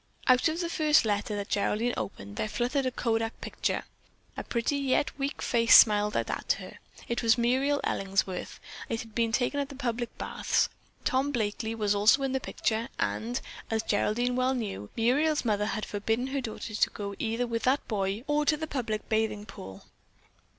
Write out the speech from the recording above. Out of the first letter that Geraldine opened there fluttered a kodak picture. A pretty yet weak face smiled out at her. It was Muriel Ellingworth and it had been taken at the Public Baths. Tom Blakely was also in the picture and, as Geraldine well knew, Muriel's mother had forbidden her daughter to go either with that boy or to the public bathing pool.